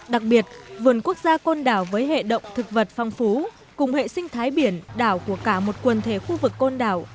đặc biệt vườn quốc gia côn đảo với hệ động thực vật phong phú cùng hệ sinh thái biển đảo của cả một quần thể khu vực côn đảo